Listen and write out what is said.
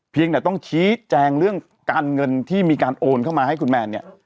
เพียงแต่ต้องชี้แจงเรื่องการเงินที่มีการโอนเข้ามาให้คุณแมนเนี่ย